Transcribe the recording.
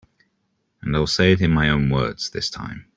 And I'll say it in my own words this time.